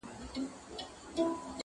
ما ویل زه به ستا ښایستې سینې ته!